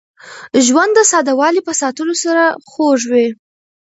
ژوند د ساده والي په ساتلو سره خوږ وي.